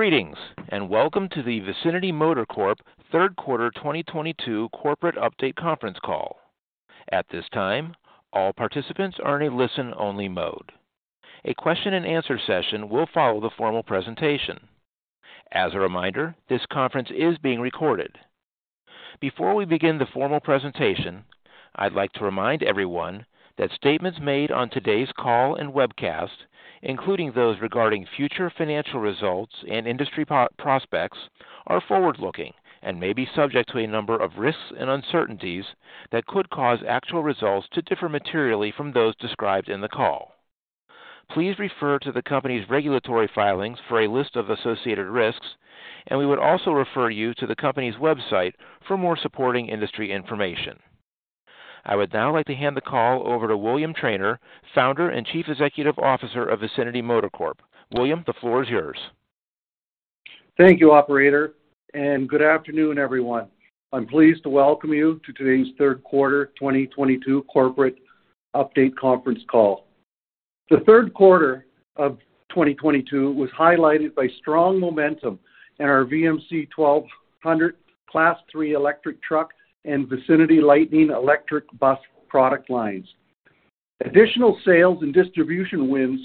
Greetings, and welcome to the Vicinity Motor Corp third quarter 2022 corporate update conference call. At this time, all participants are in a listen-only mode. A question and answer session will follow the formal presentation. As a reminder, this conference is being recorded. Before we begin the formal presentation, I'd like to remind everyone that statements made on today's call and webcast, including those regarding future financial results and industry prospects, are forward-looking and may be subject to a number of risks and uncertainties that could cause actual results to differ materially from those described in the call. Please refer to the company's regulatory filings for a list of associated risks, and we would also refer you to the company's website for more supporting industry information. I would now like to hand the call over to William Trainer, Founder and Chief Executive Officer of Vicinity Motor Corp. William, the floor is yours. Thank you, operator, and good afternoon, everyone. I'm pleased to welcome you to today's third quarter 2022 corporate update conference call. The third quarter of 2022 was highlighted by strong momentum in our VMC 1200 Class 3 electric truck and Vicinity Lightning electric bus product lines. Additional sales and distribution wins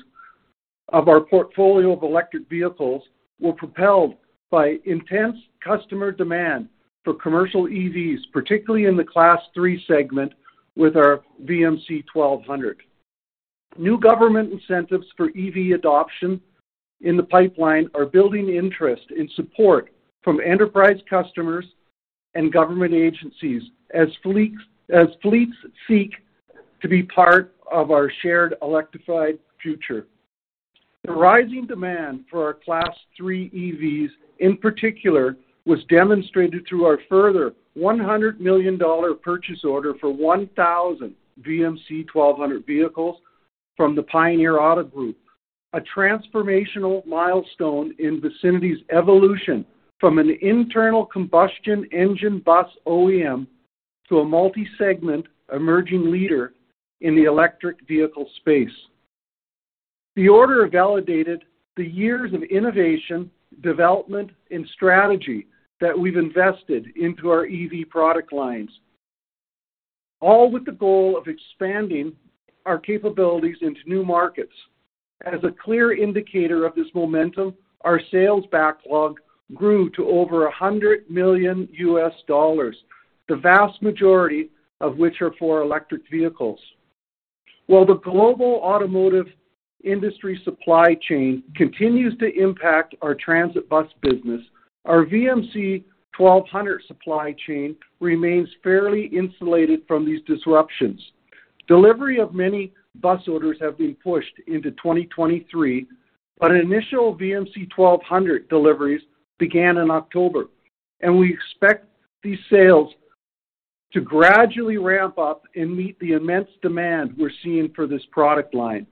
of our portfolio of electric vehicles were propelled by intense customer demand for commercial EVs, particularly in the Class 3 segment with our VMC 1200. New government incentives for EV adoption in the pipeline are building interest and support from enterprise customers and government agencies as fleets seek to be part of our shared electrified future. The rising demand for our Class 3 EVs in particular was demonstrated through our further $100 million purchase order for 1,000 VMC 1200 vehicles from the Pioneer Auto Group, a transformational milestone in Vicinity's evolution from an internal combustion engine bus OEM to a multi-segment emerging leader in the electric vehicle space. The order validated the years of innovation, development, and strategy that we've invested into our EV product lines, all with the goal of expanding our capabilities into new markets. As a clear indicator of this momentum, our sales backlog grew to over $100 million, the vast majority of which are for electric vehicles. While the global automotive industry supply chain continues to impact our transit bus business, our VMC 1200 supply chain remains fairly insulated from these disruptions. Delivery of many bus orders have been pushed into 2023, but initial VMC 1200 deliveries began in October, and we expect these sales to gradually ramp up and meet the immense demand we're seeing for this product line.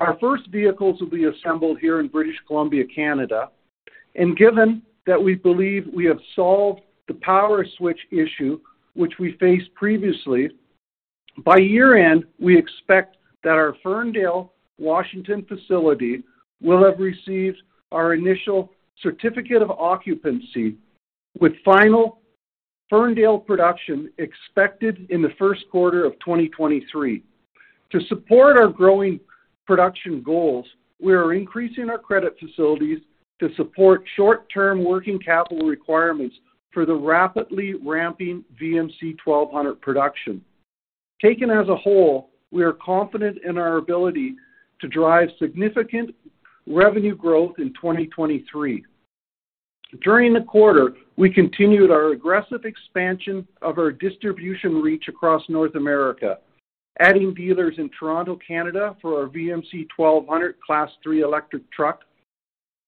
Our first vehicles will be assembled here in British Columbia, Canada, and given that we believe we have solved the power switch issue which we faced previously, by year-end, we expect that our Ferndale, Washington facility will have received our initial certificate of occupancy, with final Ferndale production expected in the first quarter of 2023. To support our growing production goals, we are increasing our credit facilities to support short-term working capital requirements for the rapidly ramping VMC 1200 production. Taken as a whole, we are confident in our ability to drive significant revenue growth in 2023. During the quarter, we continued our aggressive expansion of our distribution reach across North America, adding dealers in Toronto, Canada for our VMC 1200 Class 3 electric truck,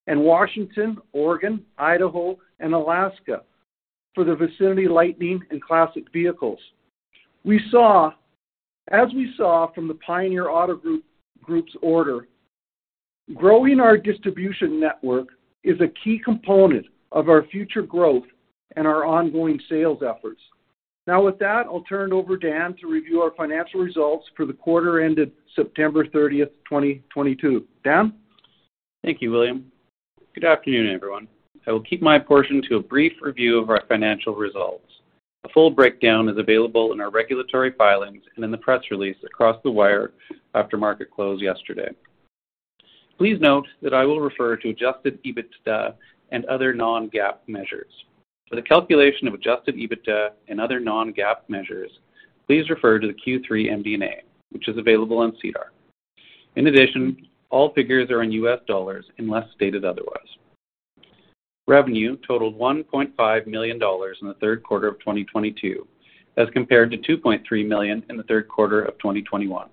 and Washington, Oregon, Idaho, and Alaska for the Vicinity Lightning and Classic vehicles. As we saw from the Pioneer Auto Group's order, growing our distribution network is a key component of our future growth and our ongoing sales efforts. Now with that, I'll turn it over to Dan to review our financial results for the quarter ended September 30th, 2022. Dan? Thank you, William. Good afternoon, everyone. I will keep my portion to a brief review of our financial results. A full breakdown is available in our regulatory filings and in the press release across the wire after market close yesterday. Please note that I will refer to adjusted EBITDA and other non-GAAP measures. For the calculation of adjusted EBITDA and other non-GAAP measures, please refer to the Q3 MD&A, which is available on SEDAR. In addition, all figures are in US dollars unless stated otherwise. Revenue totaled $1.5 million in the third quarter of 2022, as compared to $2.3 million in the third quarter of 2021.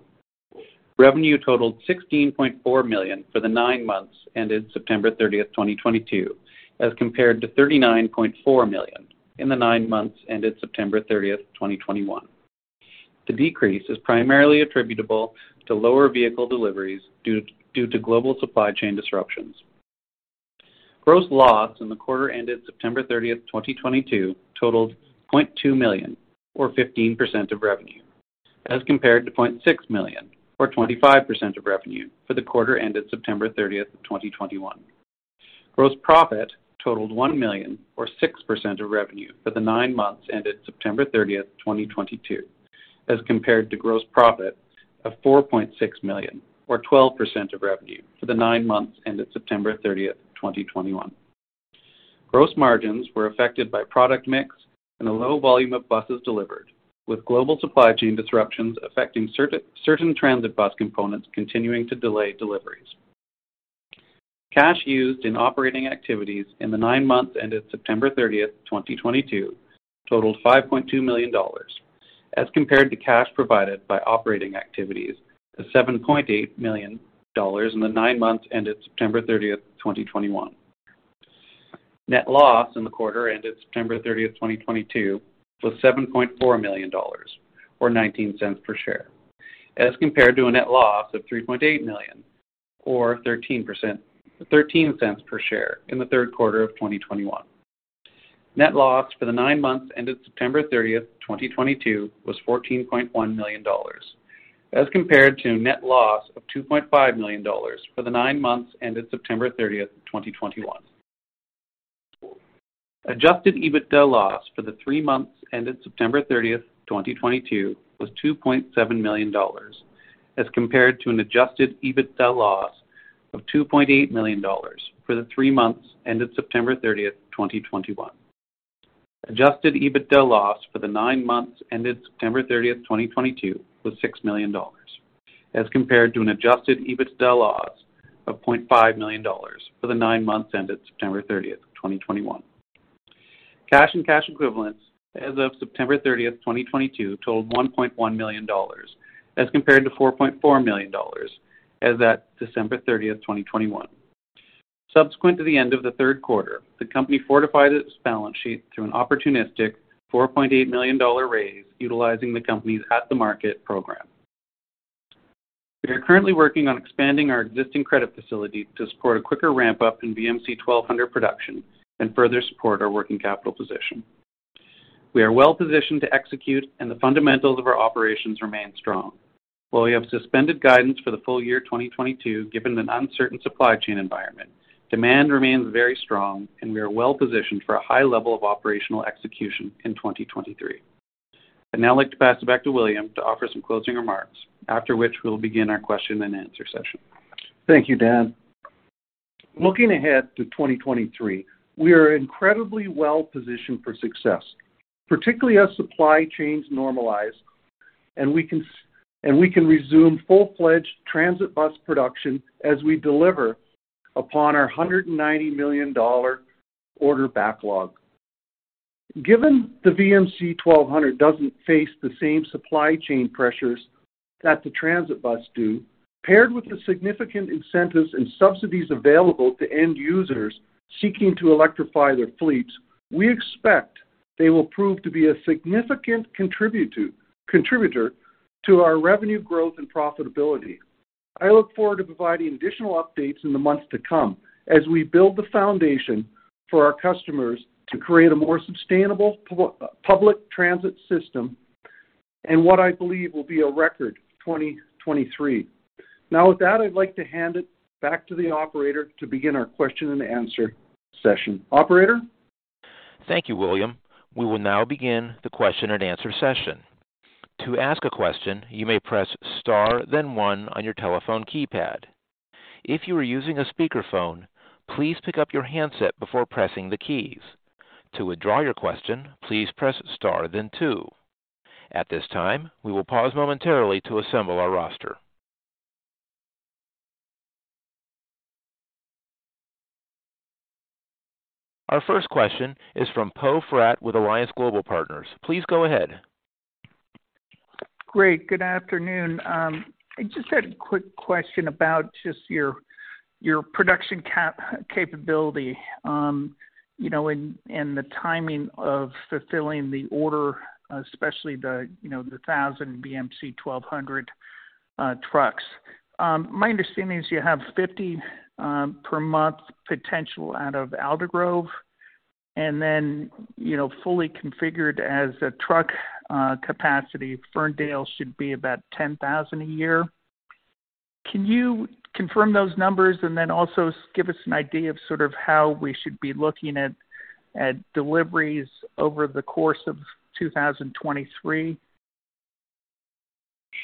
Revenue totaled $16.4 million for the nine months ended September 30th, 2022, as compared to $39.4 million in the nine months ended September 30th, 2021. The decrease is primarily attributable to lower vehicle deliveries due to global supply chain disruptions. Gross loss in the quarter ended September 30th, 2022 totaled $0.2 million or 15% of revenue. As compared to $0.6 million or 25% of revenue for the quarter ended September 30th, 2021. Gross profit totaled $1 million or 6% of revenue for the nine months ended September 30th, 2022, as compared to gross profit of $4.6 million or 12% of revenue for the nine months ended September 30th, 2021. Gross margins were affected by product mix and a low volume of buses delivered, with global supply chain disruptions affecting certain transit bus components continuing to delay deliveries. Cash used in operating activities in the nine months ended September 30th, 2022 totaled $5.2 million, as compared to cash provided by operating activities of $7.8 million in the nine months ended September 30th, 2021. Net loss in the quarter ended September 30th, 2022 was $7.4 million or $0.19 per share, as compared to a net loss of $3.8 million or $0.13 per share in the third quarter of 2021. Net loss for the nine months ended September 30th, 2022 was $14.1 million, as compared to a net loss of $2.5 million for the nine months ended September 30th, 2021. Adjusted EBITDA loss for the three months ended September 30th, 2022 was $2.7 million, as compared to an adjusted EBITDA loss of $2.8 million for the three months ended September 30th, 2021. Adjusted EBITDA loss for the nine months ended September 30th, 2022 was $6 million, as compared to an adjusted EBITDA loss of $0.5 million for the nine months ended September 30th, 2021. Cash and cash equivalents as of September 30th, 2022 totaled $1.1 million, as compared to $4.4 million as at December 30th, 2021. Subsequent to the end of the third quarter, the company fortified its balance sheet through an opportunistic $4.8 million raise utilizing the company's at-the-market program. We are currently working on expanding our existing credit facility to support a quicker ramp-up in VMC 1200 production and further support our working capital position. We are well-positioned to execute, and the fundamentals of our operations remain strong. While we have suspended guidance for the full year 2022, given an uncertain supply chain environment, demand remains very strong, and we are well-positioned for a high level of operational execution in 2023. I'd now like to pass it back to William to offer some closing remarks, after which we'll begin our question-and-answer session. Thank you, Dan. Looking ahead to 2023, we are incredibly well-positioned for success, particularly as supply chains normalize and we can resume full-fledged transit bus production as we deliver upon our $190 million order backlog. Given the VMC 1200 doesn't face the same supply chain pressures that the transit bus do, paired with the significant incentives and subsidies available to end users seeking to electrify their fleets, we expect they will prove to be a significant contributor to our revenue growth and profitability. I look forward to providing additional updates in the months to come as we build the foundation for our customers to create a more sustainable public transit system and what I believe will be a record 2023. Now, with that, I'd like to hand it back to the operator to begin our question-and-answer session. Operator? Thank you, William. We will now begin the question-and-answer session. To ask a question, you may press star then one on your telephone keypad. If you are using a speakerphone, please pick up your handset before pressing the keys. To withdraw your question, please press star then two. At this time, we will pause momentarily to assemble our roster. Our first question is from Poe Fratt with Alliance Global Partners. Please go ahead. Great. Good afternoon. I just had a quick question about just your production capability, you know, and the timing of fulfilling the order, especially, you know, the 1,000 VMC 1200 trucks. My understanding is you have 50 per month potential out of Aldergrove, and then, you know, fully configured as a truck capacity, Ferndale should be about 10,000 a year. Can you confirm those numbers? Also give us an idea of sort of how we should be looking at deliveries over the course of 2023.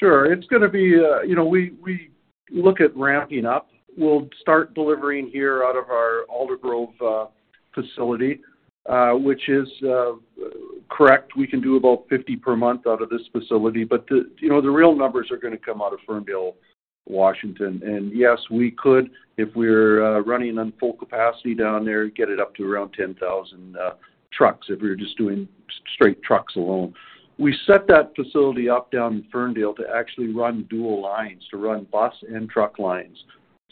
Sure. It's gonna be, you know, we look at ramping up. We'll start delivering here out of our Aldergrove facility, which is correct. We can do about 50 per month out of this facility. The, you know, the real numbers are gonna come out of Ferndale, Washington. Yes, we could, if we're running on full capacity down there, get it up to around 10,000 trucks if we were just doing straight trucks alone. We set that facility up down in Ferndale to actually run dual lines, to run bus and truck lines.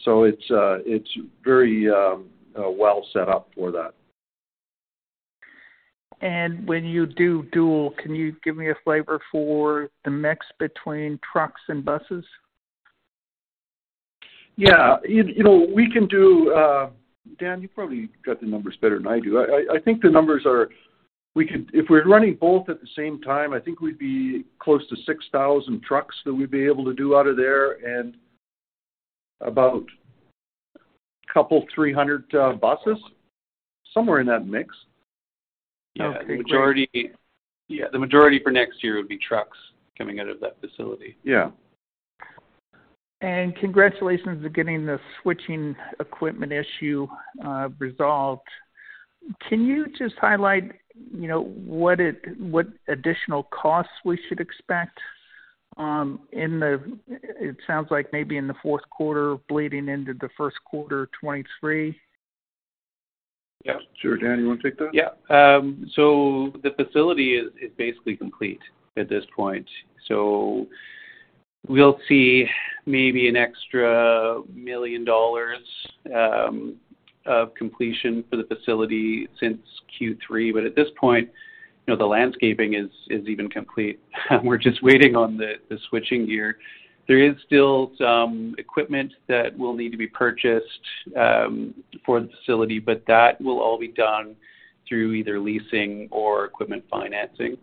It's very well set up for that. When you do dual, can you give me a flavor for the mix between trucks and buses? Yeah, you know, we can do. Dan, you probably got the numbers better than I do. I think the numbers are. If we're running both at the same time, I think we'd be close to 6,000 trucks that we'd be able to do out of there and about couple 300 buses, somewhere in that mix. The majority for next year would be trucks coming out of that facility. Yeah. Congratulations to getting the switching equipment issue resolved. Can you just highlight what additional costs we should expect? It sounds like maybe in the fourth quarter bleeding into the first quarter 2023? Yeah. Sure. Dan, you wanna take that? Yeah. The facility is basically complete at this point. We'll see maybe an extra $1 million of completion for the facility since Q3. At this point, you know, the landscaping is even complete. We're just waiting on the switching gear. There is still some equipment that will need to be purchased for the facility, but that will all be done through either leasing or equipment financing.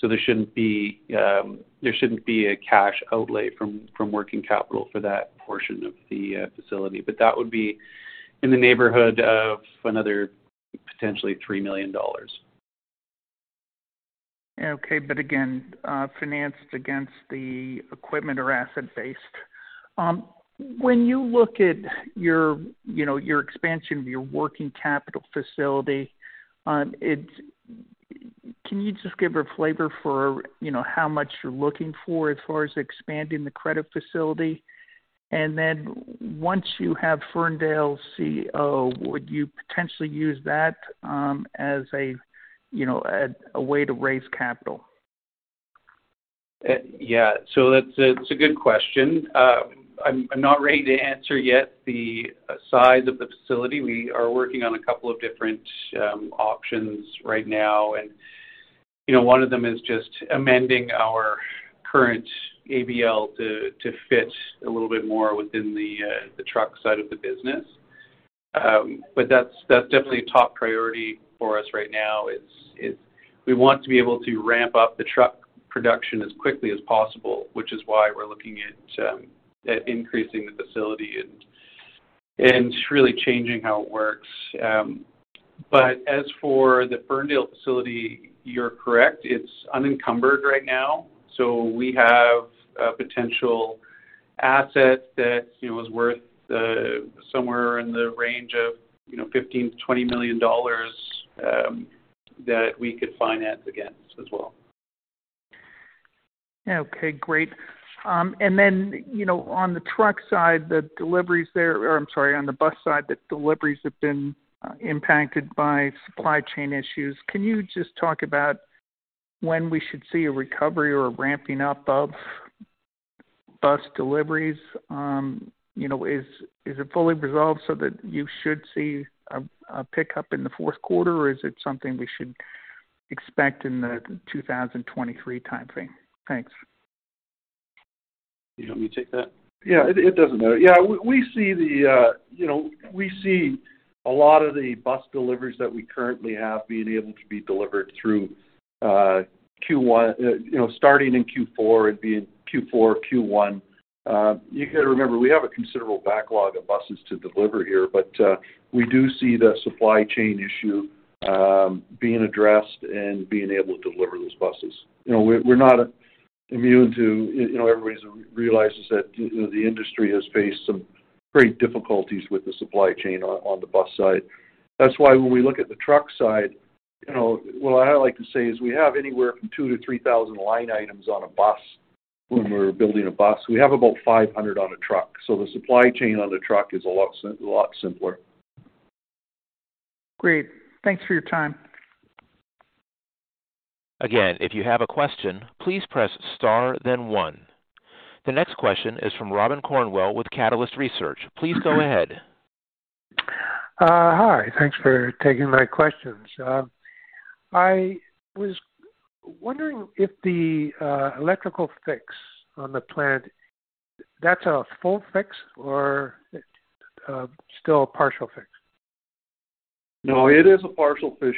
There shouldn't be a cash outlay from working capital for that portion of the facility. That would be in the neighborhood of another potentially $3 million. Okay. Again, financed against the equipment or asset-based. When you look at your, you know, your expansion of your working capital facility, can you just give a flavor for, you know, how much you're looking for as far as expanding the credit facility? Then once you have Ferndale CO, would you potentially use that as a way to raise capital? That's a good question. I'm not ready to answer yet the size of the facility. We are working on a couple of different options right now. You know, one of them is just amending our current ABL to fit a little bit more within the truck side of the business. That's definitely a top priority for us right now is we want to be able to ramp up the truck production as quickly as possible, which is why we're looking at increasing the facility and really changing how it works. As for the Ferndale facility, you're correct, it's unencumbered right now. We have a potential asset that, you know, is worth somewhere in the range of, you know, $15 million-$20 million that we could finance against as well. Okay, great. And then, you know, on the bus side, the deliveries have been impacted by supply chain issues. Can you just talk about when we should see a recovery or a ramping up of bus deliveries? You know, is it fully resolved so that you should see a pickup in the fourth quarter, or is it something we should expect in the 2023 timeframe? Thanks. You want me to take that? Yeah, it doesn't matter. Yeah. We see a lot of the bus deliveries that we currently have being able to be delivered through Q1, you know, starting in Q4, it'd be Q4, Q1. You gotta remember, we have a considerable backlog of buses to deliver here, but we do see the supply chain issue being addressed and being able to deliver those buses. You know, we're not immune to, you know, everybody's realizes that, you know, the industry has faced some great difficulties with the supply chain on the bus side. That's why when we look at the truck side, you know, what I like to say is we have anywhere from 2,000-3,000 line items on a bus when we're building a bus. We have about 500 on a truck. The supply chain on the truck is a lot simpler. Great. Thanks for your time. Again, if you have a question, please press star then one. The next question is from Robin Cornwell with Catalyst Equity Research. Please go ahead. Hi. Thanks for taking my questions. I was wondering if the electrical fix on the plant, that's a full fix or still a partial fix? No, it is a partial fix,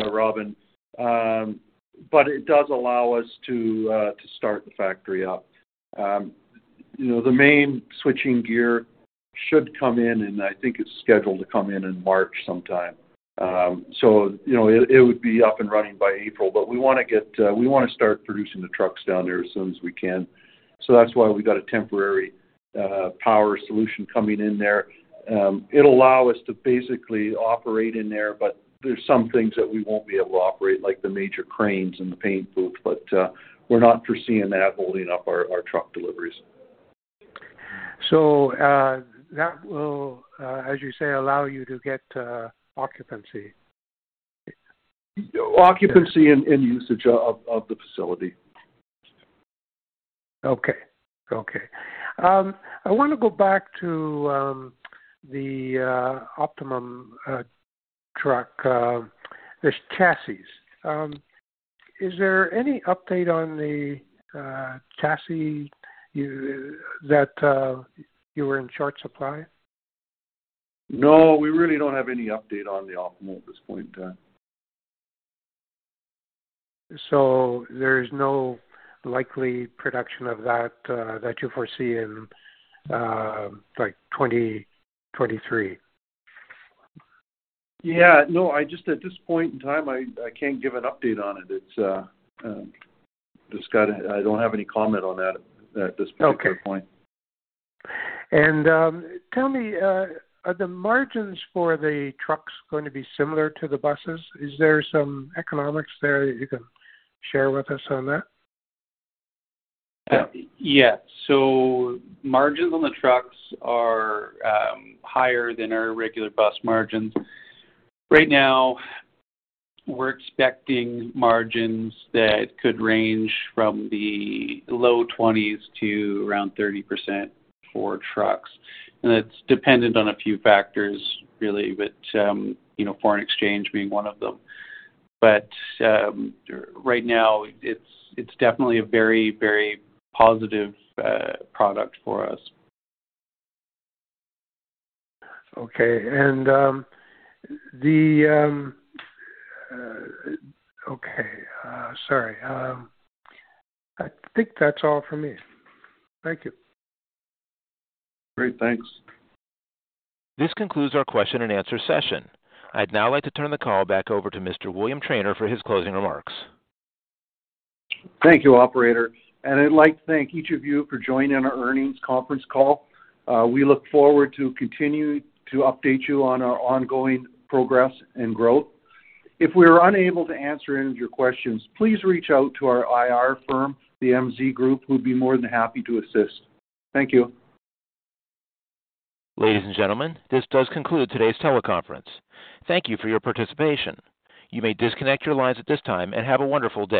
Robin. It does allow us to start the factory up. You know, the main switching gear should come in, and I think it's scheduled to come in in March sometime. You know, it would be up and running by April. We wanna start producing the trucks down there as soon as we can. That's why we got a temporary power solution coming in there. It'll allow us to basically operate in there, but there's some things that we won't be able to operate, like the major cranes and the paint booth. We're not foreseeing that holding up our truck deliveries. That will, as you say, allow you to get occupancy? Occupancy and usage of the facility. Okay. I wanna go back to the optimum truck chassis. Is there any update on the chassis that you were in short supply? No, we really don't have any update on the Optimal at this point. There's no likely production of that you foresee in like 2023? Yeah. No, I just at this point in time, I can't give an update on it. It's, I don't have any comment on that at this particular point. Okay. Tell me, are the margins for the trucks going to be similar to the buses? Is there some economics there that you can share with us on that? Yeah. Margins on the trucks are higher than our regular bus margins. Right now, we're expecting margins that could range from the low 20s to around 30% for trucks. It's dependent on a few factors really, but you know, foreign exchange being one of them. Right now it's definitely a very, very positive product for us. Okay. Sorry. I think that's all for me. Thank you. Great. Thanks. This concludes our question and answer session. I'd now like to turn the call back over to Mr. William Trainer for his closing remarks. Thank you, operator, and I'd like to thank each of you for joining our earnings conference call. We look forward to continuing to update you on our ongoing progress and growth. If we were unable to answer any of your questions, please reach out to our IR firm, the MZ Group, who'd be more than happy to assist. Thank you. Ladies and gentlemen, this does conclude today's teleconference. Thank you for your participation. You may disconnect your lines at this time, and have a wonderful day.